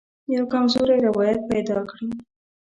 یوه کمزوری روایت پیدا کړي.